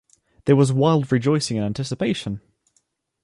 There was wild rejoicing and anticipation.